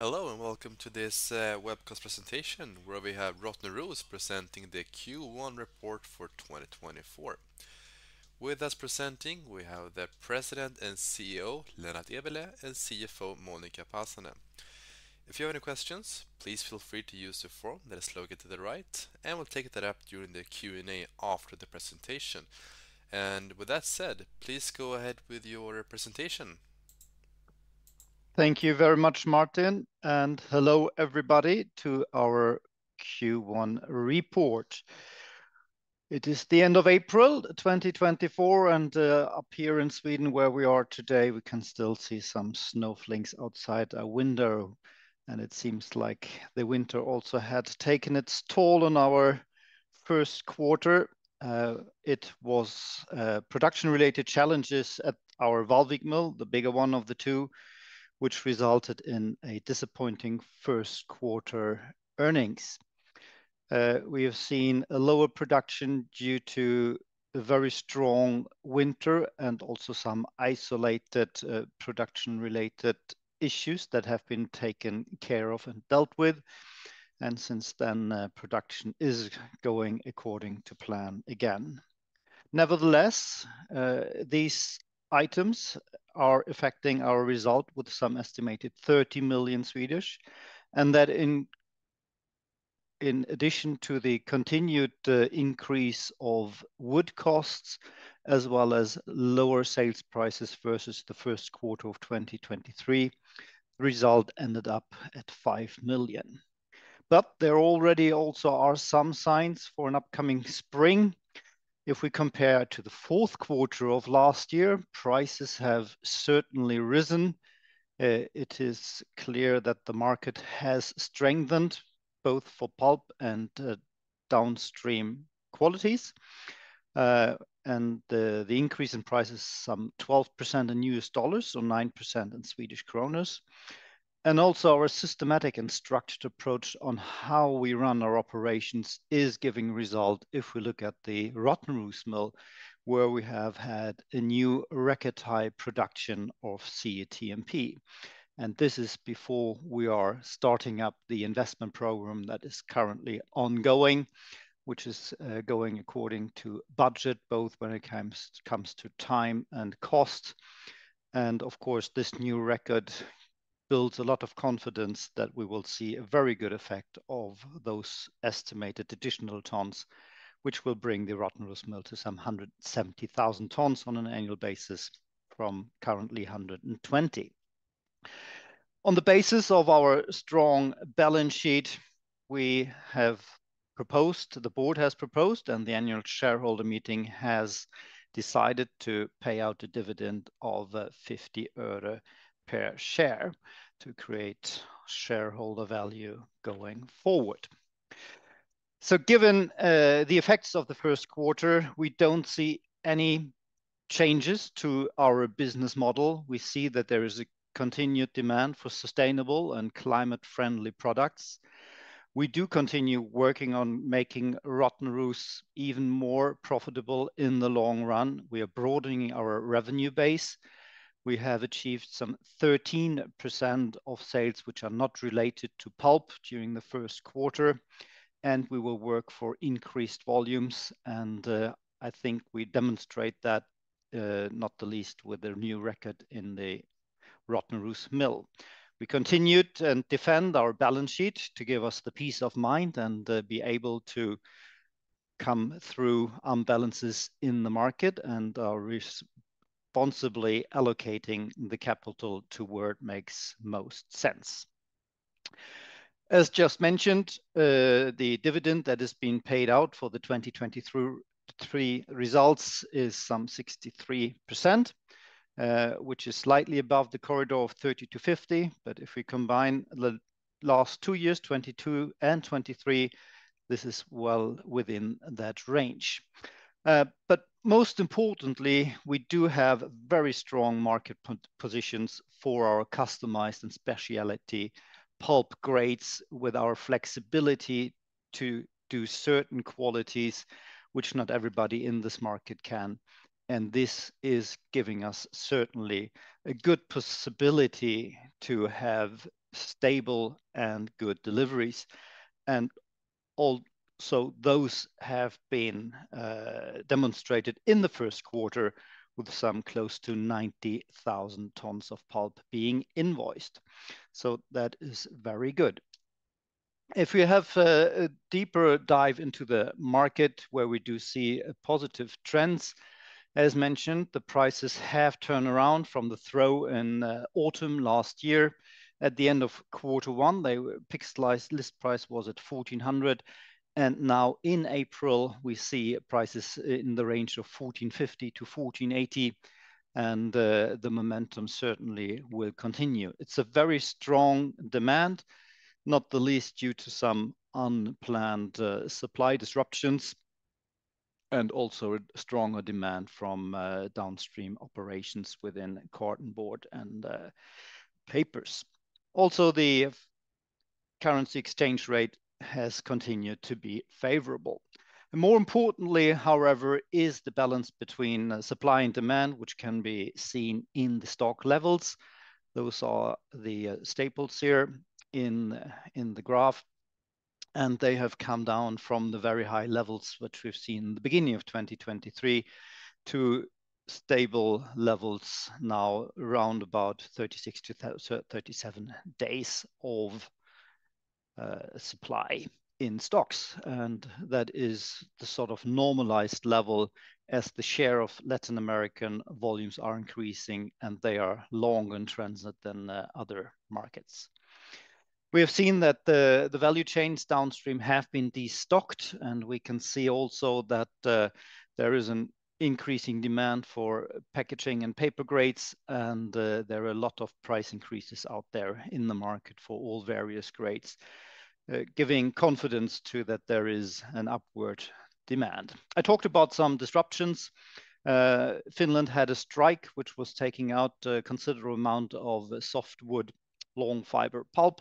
Hello and welcome to this webcast presentation where we have Rottneros presenting the Q1 report for 2024. With us presenting, we have the President and CEO Lennart Eberleh and CFO Monica Pasanen. If you have any questions, please feel free to use the form that is located to the right, and we'll take that up during the Q&A after the presentation. With that said, please go ahead with your presentation. Thank you very much, Martin, and hello everybody to our Q1 report. It is the end of April 2024, and up here in Sweden where we are today, we can still see some snowflakes outside our window, and it seems like the winter also had taken its toll on our first quarter. It was production-related challenges at our Vallvik Mill, the bigger one of the two, which resulted in a disappointing first quarter earnings. We have seen a lower production due to a very strong winter and also some isolated production-related issues that have been taken care of and dealt with, and since then, production is going according to plan again. Nevertheless, these items are affecting our result with some estimated 30 million, and that in addition to the continued increase of wood costs as well as lower sales prices versus the first quarter of 2023, the result ended up at 5 million. But there already also are some signs for an upcoming spring. If we compare to the fourth quarter of last year, prices have certainly risen. It is clear that the market has strengthened both for pulp and downstream qualities, and the increase in prices some 12% in US dollars or 9% in Swedish kronor. Also our systematic and structured approach on how we run our operations is giving result if we look at the Rottneros Mill, where we have had a new record high production of CTMP, and this is before we are starting up the investment program that is currently ongoing, which is going according to budget both when it comes to time and cost. Of course, this new record builds a lot of confidence that we will see a very good effect of those estimated additional tons, which will bring the Rottneros Mill to some 170,000 tons on an annual basis from currently 120,000. On the basis of our strong balance sheet, the board has proposed and the annual shareholder meeting has decided to pay out a dividend of SEK 0.50 per share to create shareholder value going forward. So, given the effects of the first quarter, we don't see any changes to our business model. We see that there is a continued demand for sustainable and climate-friendly products. We do continue working on making Rottneros even more profitable in the long run. We are broadening our revenue base. We have achieved some 13% of sales which are not related to pulp during the first quarter, and we will work for increased volumes, and I think we demonstrate that, not the least with the new record in the Rottneros Mill. We continued and defend our balance sheet to give us the peace of mind and be able to come through unbalances in the market and are responsibly allocating the capital toward makes most sense. As just mentioned, the dividend that has been paid out for the 2023 results is some 63%, which is slightly above the corridor of 30%-50%, but if we combine the last two years, 2022 and 2023, this is well within that range. But most importantly, we do have very strong market positions for our customized and specialty pulp grades with our flexibility to do certain qualities which not everybody in this market can, and this is giving us certainly a good possibility to have stable and good deliveries. Also those have been demonstrated in the first quarter with some close to 90,000 tons of pulp being invoiced, so that is very good. If we have a deeper dive into the market where we do see positive trends, as mentioned, the prices have turned around from the trough in autumn last year. At the end of quarter one, the NBSK list price was at $1,400, and now in April we see prices in the range of $1,450-$1,480, and the momentum certainly will continue. It's a very strong demand, not the least due to some unplanned supply disruptions and also a stronger demand from downstream operations within cardboard and papers. Also the currency exchange rate has continued to be favorable. More importantly, however, is the balance between supply and demand which can be seen in the stock levels. Those are the staples here in the graph, and they have come down from the very high levels which we've seen in the beginning of 2023 to stable levels now around about 36-37 days of supply in stocks, and that is the sort of normalized level as the share of Latin American volumes are increasing and they are longer in transit than other markets. We have seen that the value chains downstream have been destocked, and we can see also that there is an increasing demand for packaging and paper grades, and there are a lot of price increases out there in the market for all various grades, giving confidence to that there is an upward demand. I talked about some disruptions. Finland had a strike which was taking out a considerable amount of softwood long fiber pulp,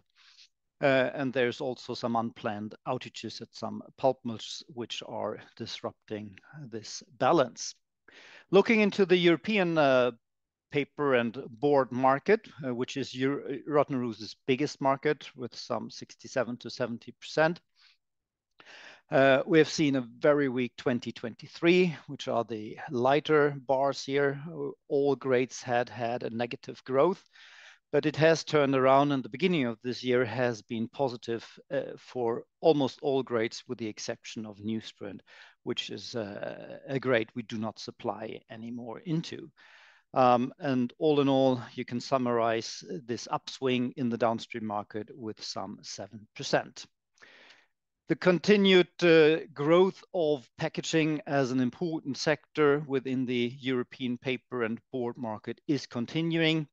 and there's also some unplanned outages at some pulp mills which are disrupting this balance. Looking into the European paper and board market, which is Rottneros' biggest market with some 67%-70%, we have seen a very weak 2023, which are the lighter bars here. All grades had had a negative growth, but it has turned around and the beginning of this year has been positive, for almost all grades with the exception of newsprint, which is a grade we do not supply anymore into. All in all, you can summarize this upswing in the downstream market with some 7%. The continued growth of packaging as an important sector within the European paper and board market is continuing.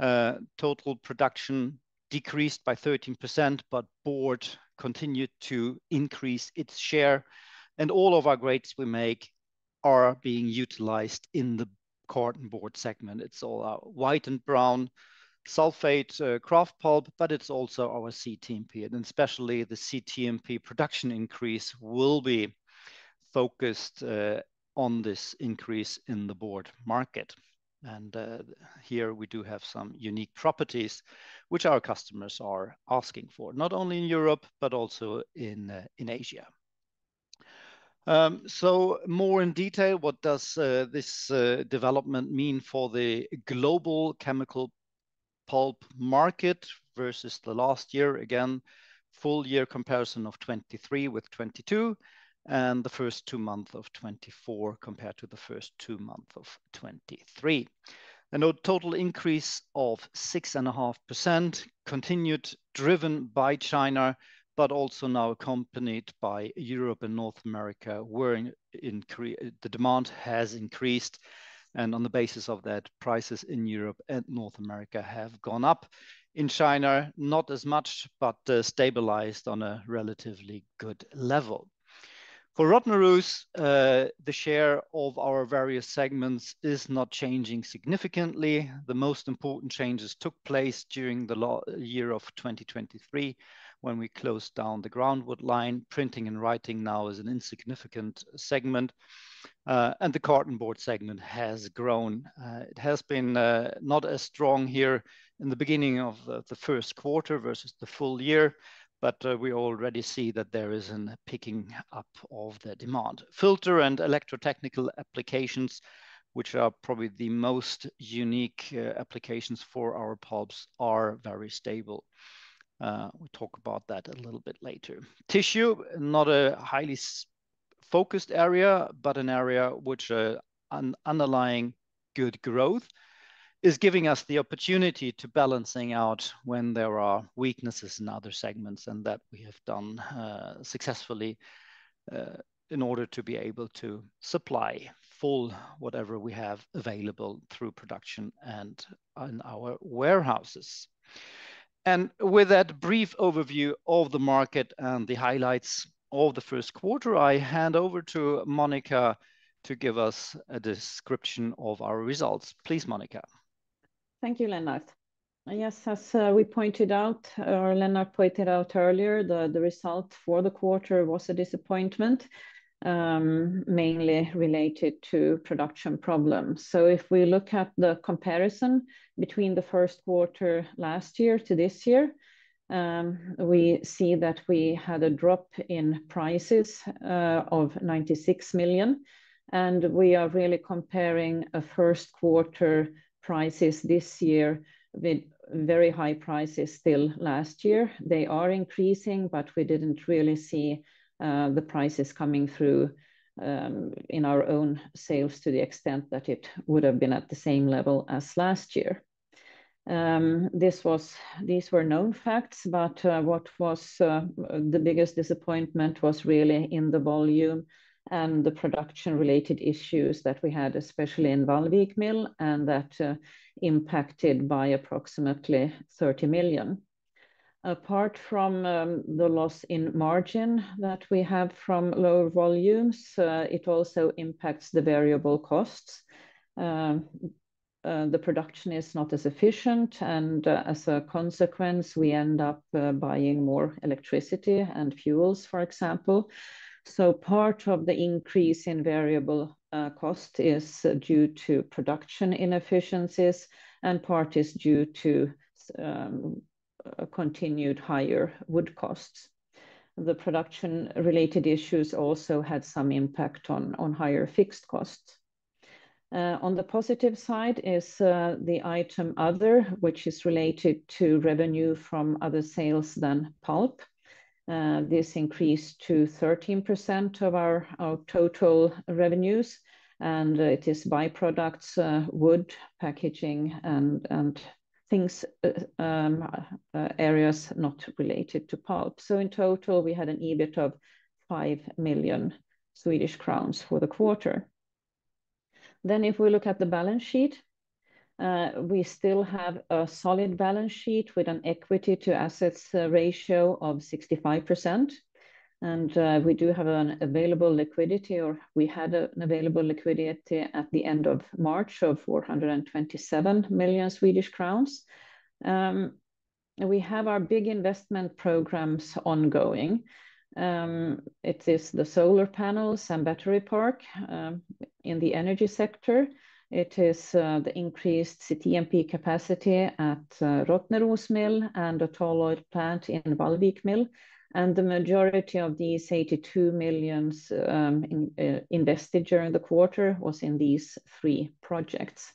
Total production decreased by 13%, but board continued to increase its share, and all of our grades we make are being utilized in the cartonboard segment. It's all our white and brown sulfate kraft pulp, but it's also our CTMP, and especially the CTMP production increase will be focused on this increase in the board market. Here we do have some unique properties which our customers are asking for, not only in Europe, but also in Asia. So more in detail, what does this development mean for the global chemical pulp market versus the last year, again, full year comparison of 2023 with 2022, and the first two months of 2024 compared to the first two months of 2023. A total increase of 6.5%, continued driven by China, but also now accompanied by Europe and North America where the demand has increased, and on the basis of that, prices in Europe and North America have gone up. In China, not as much, but stabilized on a relatively good level. For Rottneros, the share of our various segments is not changing significantly. The most important changes took place during the last year of 2023 when we closed down the groundwood line. Printing and writing now is an insignificant segment, and the card and board segment has grown. It has been, not as strong here in the beginning of the first quarter versus the full year, but, we already see that there is a picking up of the demand. Filter and electrotechnical applications, which are probably the most unique applications for our pulps, are very stable. We talk about that a little bit later. Tissue, not a highly focused area, but an area which, an underlying good growth is giving us the opportunity to balancing out when there are weaknesses in other segments, and that we have done, successfully, in order to be able to supply full whatever we have available through production and in our warehouses. With that brief overview of the market and the highlights of the first quarter, I hand over to Monica to give us a description of our results. Please, Monica. Thank you, Lennart. Yes, as we pointed out, or Lennart pointed out earlier, the result for the quarter was a disappointment, mainly related to production problems. So if we look at the comparison between the first quarter last year to this year, we see that we had a drop in prices of 96 million, and we are really comparing first quarter prices this year with very high prices still last year. They are increasing, but we didn't really see the prices coming through in our own sales to the extent that it would have been at the same level as last year. These were known facts, but what was the biggest disappointment was really in the volume and the production-related issues that we had, especially in Vallvik Mill, and that impacted by approximately 30 million. Apart from the loss in margin that we have from lower volumes, it also impacts the variable costs. The production is not as efficient, and as a consequence, we end up buying more electricity and fuels, for example. So part of the increase in variable costs is due to production inefficiencies, and part is due to continued higher wood costs. The production-related issues also had some impact on higher fixed costs. On the positive side is the item other, which is related to revenue from other sales than pulp. This increased to 13% of our total revenues, and it is byproducts: wood, packaging, and things, areas not related to pulp. So in total, we had an EBIT of 5 million Swedish crowns for the quarter. If we look at the balance sheet, we still have a solid balance sheet with an equity to assets ratio of 65%, and we do have an available liquidity, or we had an available liquidity at the end of March of 427 million Swedish crowns. We have our big investment programs ongoing. It is the solar panels and battery park in the energy sector. It is the increased CTMP capacity at Rottneros Mill and the tall oil plant in Vallvik Mill, and the majority of these 82 million invested during the quarter was in these three projects.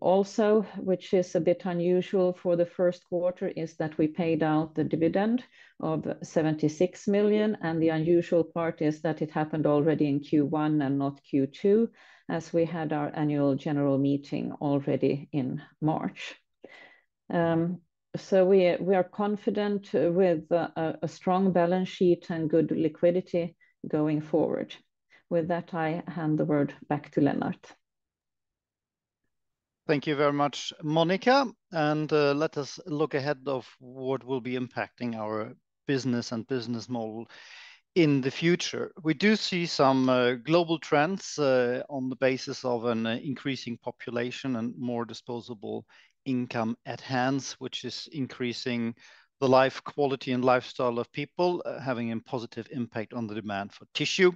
Also, which is a bit unusual for the first quarter, is that we paid out the dividend of 76 million, and the unusual part is that it happened already in Q1 and not Q2, as we had our annual general meeting already in March. We are confident with a strong balance sheet and good liquidity going forward. With that, I hand the word back to Lennart. Thank you very much, Monica, and let us look ahead of what will be impacting our business and business model in the future. We do see some global trends on the basis of an increasing population and more disposable income at hand, which is increasing the life quality and lifestyle of people, having a positive impact on the demand for tissue,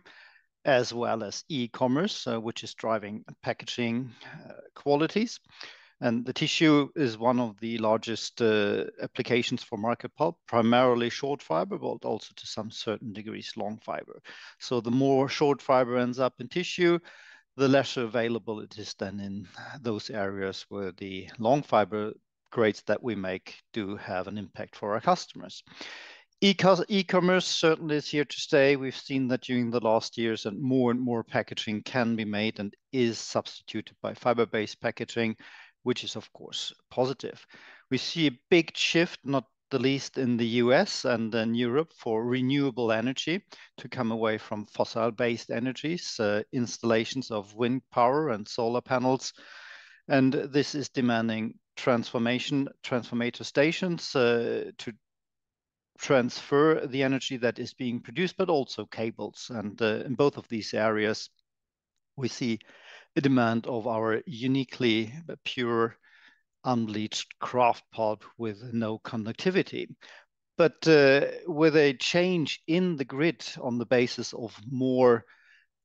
as well as e-commerce, which is driving packaging qualities. The tissue is one of the largest applications for market pulp, primarily short fiber, but also to some certain degrees long fiber. The more short fiber ends up in tissue, the lesser availability is then in those areas where the long fiber grades that we make do have an impact for our customers. E-commerce certainly is here to stay. We've seen that during the last years that more and more packaging can be made and is substituted by fiber-based packaging, which is, of course, positive. We see a big shift, not the least in the U.S. and then Europe, for renewable energy to come away from fossil-based energies, installations of wind power and solar panels. This is demanding transformer stations to transfer the energy that is being produced, but also cables and in both of these areas, we see a demand of our uniquely pure unbleached kraft pulp with no conductivity. But with a change in the grid on the basis of more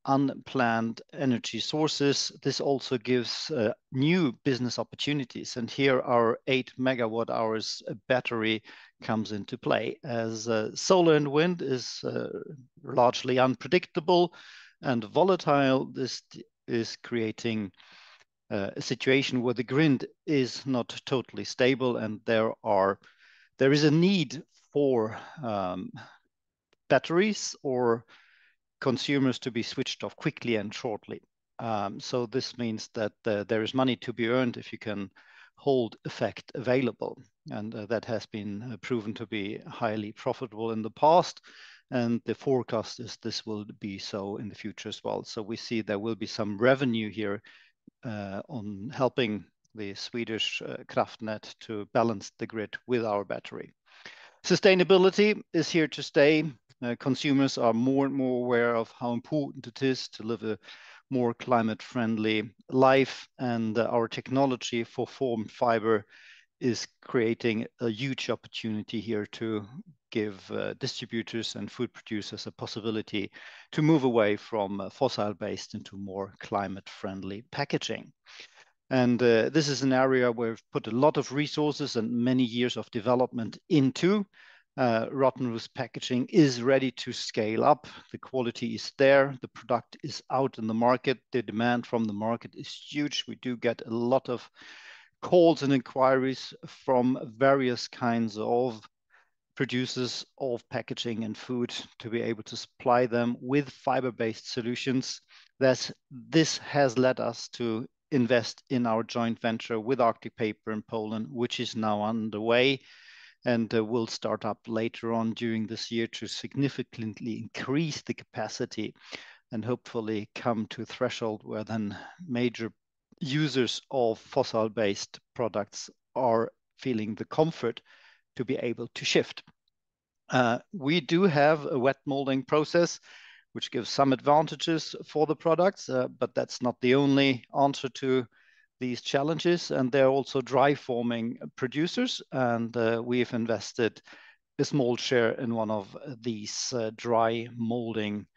unplanned energy sources, this also gives new business opportunities and here our 8 MWh battery comes into play, as solar and wind is largely unpredictable and volatile. This is creating a situation where the grid is not totally stable, and there is a need for batteries or consumers to be switched off quickly and shortly. So this means that there is money to be earned if you can hold effect available, and that has been proven to be highly profitable in the past, and the forecast is this will be so in the future as well. So we see there will be some revenue here on helping the Svenska Kraftnät to balance the grid with our battery. Sustainability is here to stay. Consumers are more and more aware of how important it is to live a more climate-friendly life, and our technology for formed fiber is creating a huge opportunity here to give distributors and food producers a possibility to move away from fossil-based into more climate-friendly packaging. This is an area where we've put a lot of resources and many years of development into. Rottneros Packaging is ready to scale up. The quality is there. The product is out in the market. The demand from the market is huge. We do get a lot of calls and inquiries from various kinds of producers of packaging and food to be able to supply them with fiber-based solutions. This has led us to invest in our joint venture with Arctic Paper in Poland, which is now underway, and will start up later on during this year to significantly increase the capacity and hopefully come to a threshold where then major users of fossil-based products are feeling the comfort to be able to shift. We do have a wet molding process, which gives some advantages for the products, but that's not the only answer to these challenges, and they're also dry forming producers, and we've invested a small share in one of these dry molding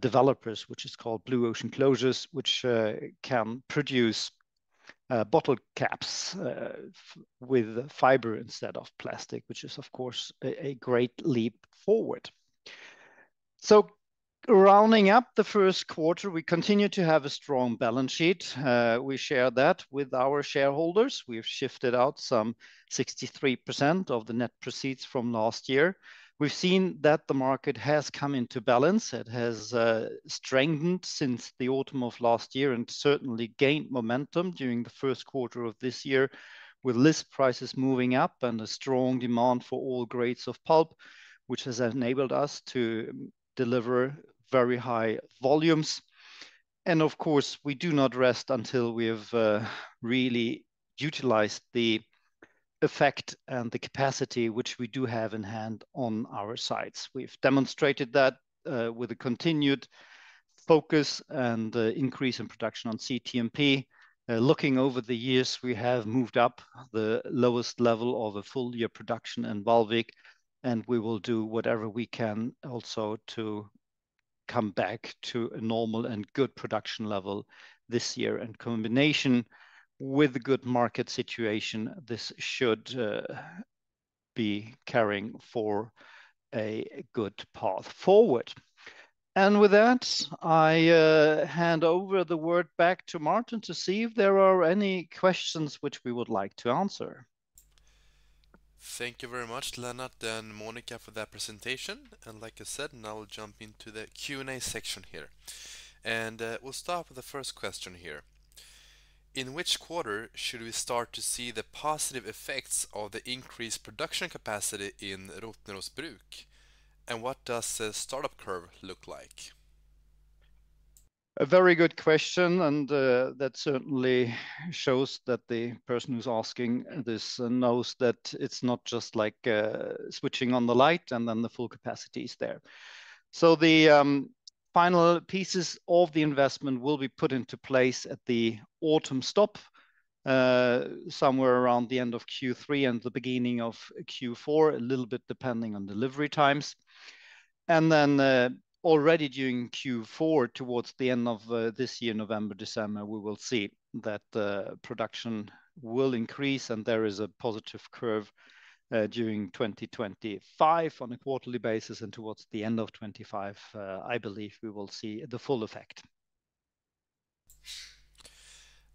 developers, which is called Blue Ocean Closures, which can produce bottle caps with fiber instead of plastic, which is, of course, a great leap forward. So rounding up the first quarter, we continue to have a strong balance sheet. We share that with our shareholders. We've shifted out some 63% of the net proceeds from last year. We've seen that the market has come into balance. It has strengthened since the autumn of last year and certainly gained momentum during the first quarter of this year, with list prices moving up and a strong demand for all grades of pulp, which has enabled us to deliver very high volumes. Of course, we do not rest until we have really utilized the effect and the capacity which we do have in hand on our sites. We've demonstrated that with a continued focus and increase in production on CTMP. Looking over the years, we have moved up the lowest level of a full year production in Vallvik, and we will do whatever we can also to come back to a normal and good production level this year. In combination with a good market situation, this should be carrying for a good path forward. With that, I hand over the word back to Martin to see if there are any questions which we would like to answer. Thank you very much, Lennart and Monica, for that presentation. Like I said, now we'll jump into the Q&A section here. We'll start with the first question here. In which quarter should we start to see the positive effects of the increased production capacity in Rottneros Bruk, and what does the startup curve look like? A very good question, and that certainly shows that the person who's asking this knows that it's not just like switching on the light and then the full capacity is there. So the final pieces of the investment will be put into place at the autumn stop, somewhere around the end of Q3 and the beginning of Q4, a little bit depending on delivery times. Then already during Q4, towards the end of this year, November, December, we will see that production will increase, and there is a positive curve during 2025 on a quarterly basis and towards the end of 2025, I believe we will see the full effect.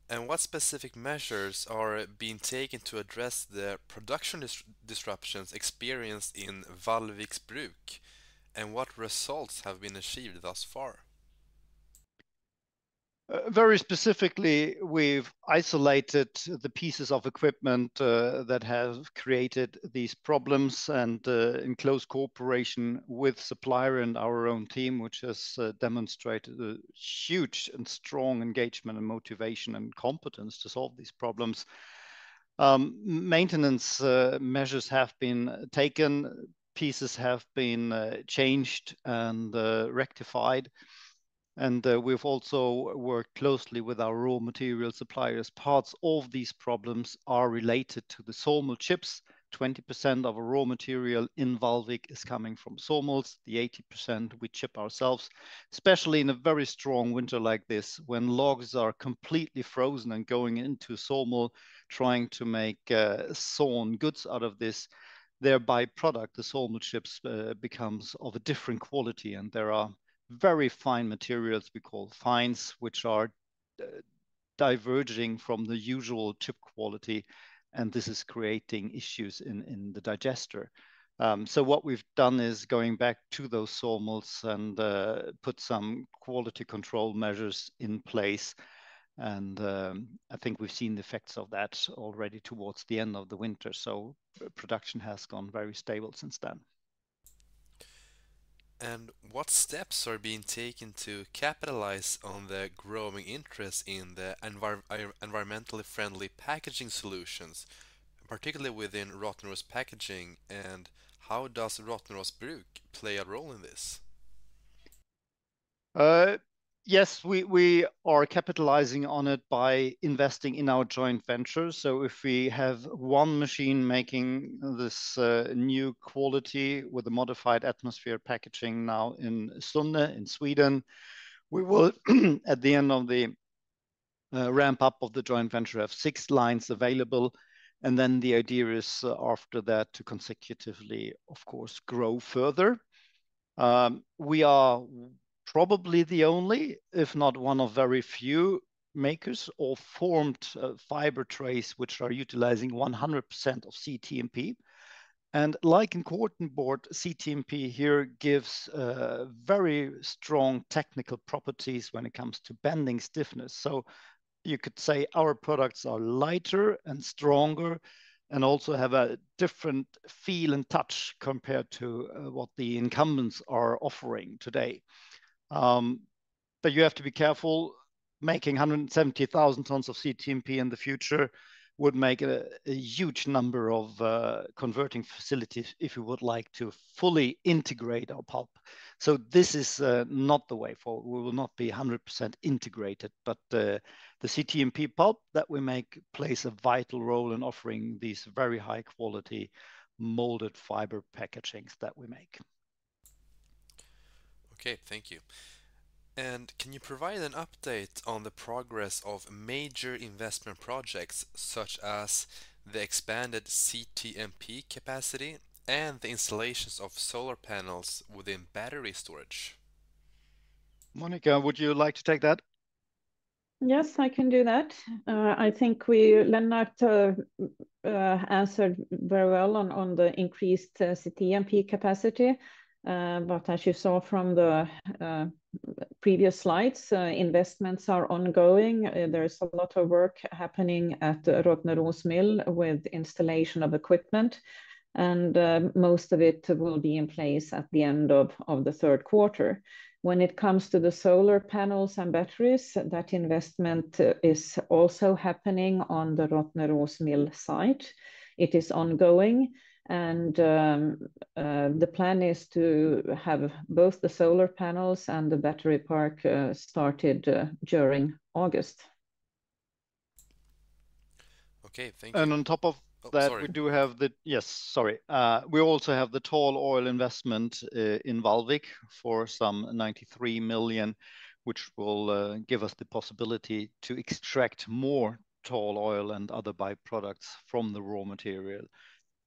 What specific measures are being taken to address the production disruptions experienced in Vallvik Bruk, and what results have been achieved thus far? Very specifically, we've isolated the pieces of equipment that have created these problems and in close cooperation with the supplier and our own team, which has demonstrated a huge and strong engagement and motivation and competence to solve these problems. Maintenance measures have been taken. Pieces have been changed and rectified, and we've also worked closely with our raw material suppliers. Parts of these problems are related to the sawmill chips. 20% of our raw material in Vallvik is coming from sawmills, the 80% we chip ourselves, especially in a very strong winter like this, when logs are completely frozen and going into sawmill trying to make sawn goods out of this. Their byproduct, the sawmill chips, becomes of a different quality, and there are very fine materials we call fines, which are diverging from the usual chip quality, and this is creating issues in the digester. So what we've done is going back to those sawmills and put some quality control measures in place, and I think we've seen the effects of that already towards the end of the winter. So production has gone very stable since then. What steps are being taken to capitalize on the growing interest in the environmentally friendly packaging solutions, particularly within Rottneros Packaging, and how does Rottneros Bruk play a role in this? Yes, we are capitalizing on it by investing in our joint venture. So if we have one machine making this new quality with the modified atmosphere packaging now in Sunne in Sweden, we will, at the end of the ramp-up of the joint venture, have six lines available, and then the idea is after that to consecutively, of course, grow further. We are probably the only, if not one of very few makers of formed fiber trays, which are utilizing 100% of CTMP, and like in cartonboard, CTMP here gives very strong technical properties when it comes to bending stiffness. So you could say our products are lighter and stronger and also have a different feel and touch compared to what the incumbents are offering today. But you have to be careful. Making 170,000 tons of CTMP in the future would make a huge number of converting facilities if you would like to fully integrate our pulp. So this is not the way forward. We will not be 100% integrated, but the CTMP pulp that we make plays a vital role in offering these very high-quality molded fiber packagings that we make. Okay, thank you. Can you provide an update on the progress of major investment projects such as the expanded CTMP capacity and the installations of solar panels within battery storage? Monica, would you like to take that? Yes, I can do that. I think Lennart answered very well on the increased CTMP capacity, but as you saw from the previous slides, investments are ongoing. There's a lot of work happening at Rottneros Mill with installation of equipment, and most of it will be in place at the end of the third quarter. When it comes to the solar panels and batteries, that investment is also happening on the Rottneros Mill site. It is ongoing, and the plan is to have both the solar panels and the battery park started during August. Okay, thank you. Sorry. On top of that, we also have the tall oil investment in Vallvik for some 93 million, which will give us the possibility to extract more tall oil and other byproducts from the raw material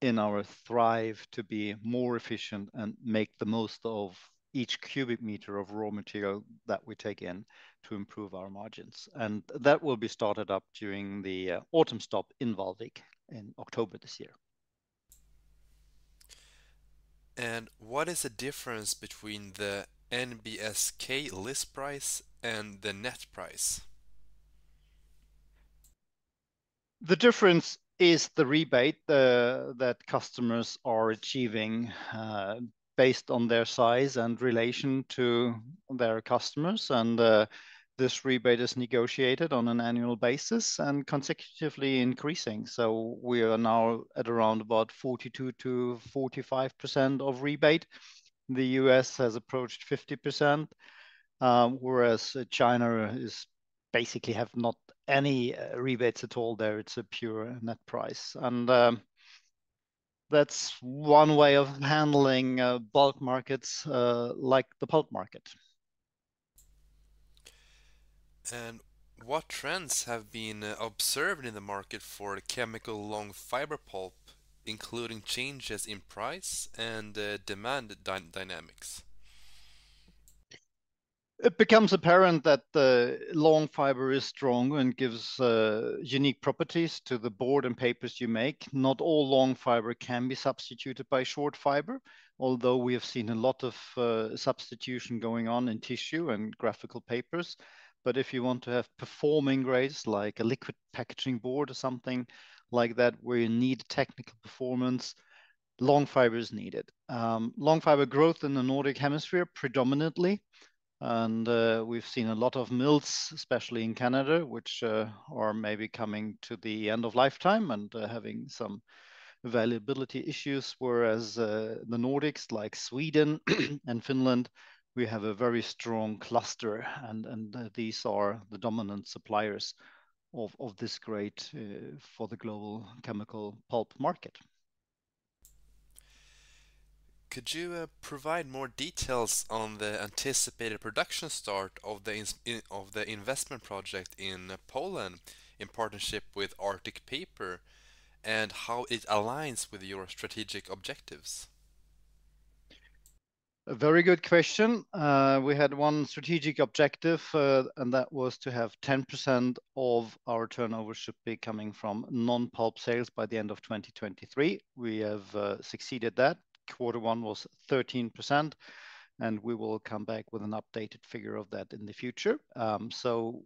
in our drive to be more efficient and make the most of each cubic meter of raw material that we take in to improve our margins. That will be started up during the autumn stop in Vallvik in October this year. What is the difference between the NBSK list price and the net price? The difference is the rebate that customers are achieving based on their size and relation to their customers. This rebate is negotiated on an annual basis and consecutively increasing. We are now at around about 42%-45% of rebate. The U.S. has approached 50%, whereas China basically has not any rebates at all there. It's a pure net price. That's one way of handling bulk markets like the pulp market. What trends have been observed in the market for chemical long fiber pulp, including changes in price and demand dynamics? It becomes apparent that the long fiber is strong and gives unique properties to the board and papers you make. Not all long fiber can be substituted by short fiber, although we have seen a lot of substitution going on in tissue and graphical papers. But if you want to have performing grades like a liquid packaging board or something like that where you need technical performance, long fiber is needed. Long fiber growth in the northern hemisphere predominantly, and we've seen a lot of mills, especially in Canada, which are maybe coming to the end of lifetime and having some availability issues, whereas the Nordics like Sweden and Finland, we have a very strong cluster, and these are the dominant suppliers of this grade for the global chemical pulp market. Could you provide more details on the anticipated production start of the investment project in Poland in partnership with Arctic Paper and how it aligns with your strategic objectives? A very good question. We had one strategic objective, and that was to have 10% of our turnover should be coming from non-pulp sales by the end of 2023. We have succeeded that. Quarter 1 was 13%, and we will come back with an updated figure of that in the future. So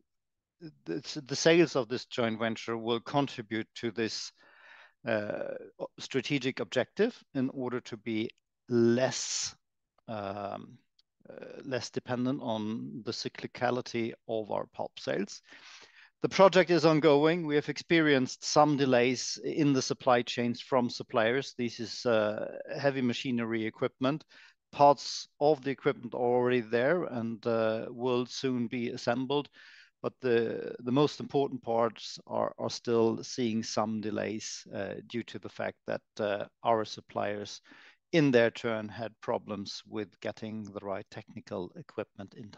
the sales of this joint venture will contribute to this strategic objective in order to be less dependent on the cyclicality of our pulp sales. The project is ongoing. We have experienced some delays in the supply chains from suppliers. This is heavy machinery equipment. Parts of the equipment are already there and will soon be assembled, but the most important parts are still seeing some delays due to the fact that our suppliers, in their turn, had problems with getting the right technical equipment in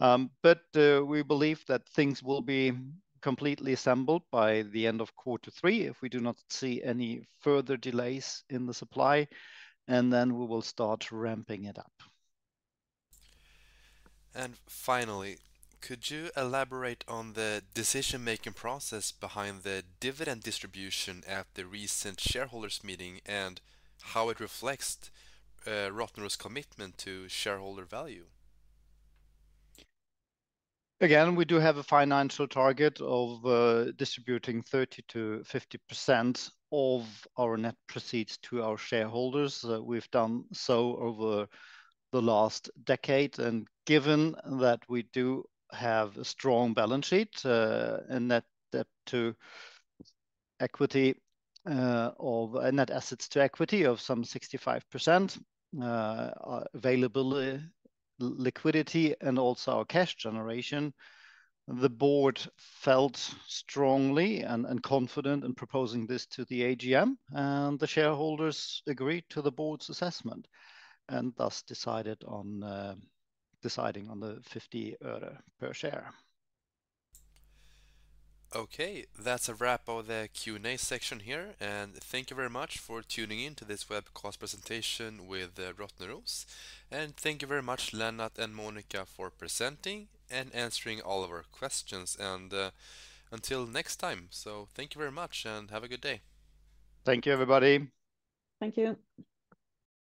time. We believe that things will be completely assembled by the end of quarter three if we do not see any further delays in the supply, and then we will start ramping it up. Finally, could you elaborate on the decision-making process behind the dividend distribution at the recent shareholders' meeting and how it reflects Rottneros' commitment to shareholder value? Again, we do have a financial target of distributing 30%-50% of our net proceeds to our shareholders. We've done so over the last decade, and given that we do have a strong balance sheet and net debt to equity of net assets to equity of some 65%, available liquidity, and also our cash generation, the board felt strongly and confident in proposing this to the AGM, and the shareholders agreed to the board's assessment and thus decided on deciding on the SEK 0.50 per share. Okay, that's a wrap of the Q&A section here, and thank you very much for tuning in to this webcast presentation with Rottneros. Thank you very much, Lennart and Monica, for presenting and answering all of our questions. Until next time, so thank you very much and have a good day. Thank you, everybody. Thank you.